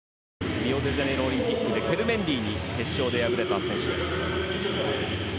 リオデジャネイロオリンピックでケルメンディに決勝で敗れた選手です。